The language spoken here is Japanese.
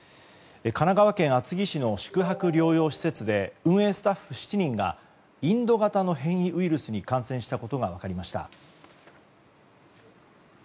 神奈川県厚木市の宿泊療養施設で運営スタッフ７人がインド型の変異ウイルスに感染したことが分かりました。